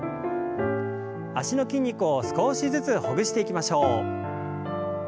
脚の筋肉を少しずつほぐしていきましょう。